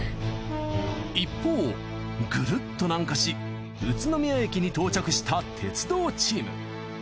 一方ぐるっと南下し宇都宮駅に到着した鉄道チーム。